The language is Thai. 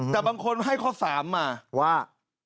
แต่บางคนให้ข้อ๓มาว่า